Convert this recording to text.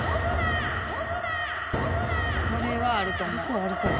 これはあると思う。